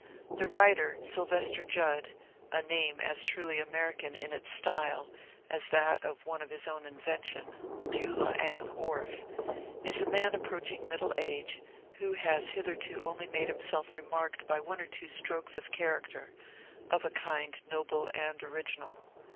The writer, Sylvester Judd (a name as truly American in ite style as that of one of his own invention — BeulahAnn Orff), is a man approaching middle age, who has hitherto only made himself remarked by one or two strokes of character, of a kind noble and original.